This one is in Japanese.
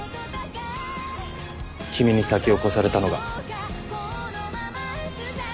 君に先を越されたのが。